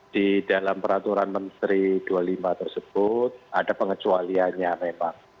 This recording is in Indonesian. di dalam peraturan menteri dua puluh lima tersebut ada pengecualiannya memang